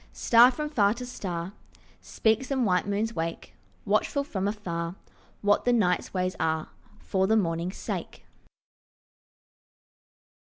Star from far to star Speaks, and white moons wake, Watchful from afar What the night's ways are For the morning's sake.